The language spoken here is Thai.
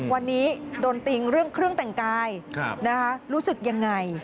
วันนี้โดนติงเรื่องเครื่องแต่งกายรู้สึกยังไง